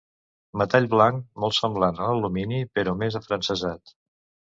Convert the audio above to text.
Metall blanc, molt semblant a l'alumini, però més afrancesat.